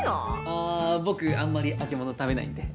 ああ僕あんまり揚げ物食べないんで。